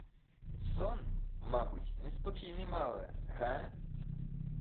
Сон, мабуть, неспокійний мали, ге?